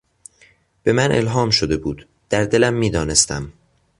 به من الهام شده بود، در دلم میدانستم.